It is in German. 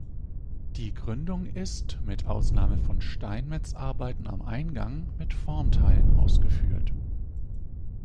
Die Gründung ist mit Ausnahme von Steinmetzarbeiten am Eingang mit Formteilen ausgeführt.